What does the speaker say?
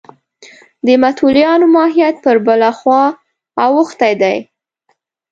د متولیانو ماهیت پر بله خوا اوښتی دی.